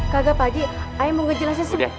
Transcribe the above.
kaga pak haji ayo mau ngejelasin sedikit